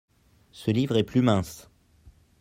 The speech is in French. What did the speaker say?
Ce livre est plus mince.